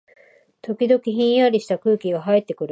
時々、ひんやりした空気がはいってくる